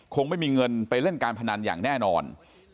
คงไม่มีเงินไปเล่นการพนันอย่างแน่นอน